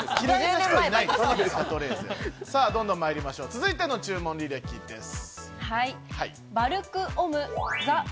続いての注文履歴です。